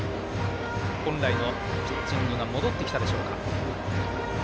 本来のピッチングが戻ってきたでしょうか。